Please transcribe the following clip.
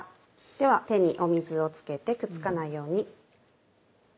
では手に水をつけてくっつかないように。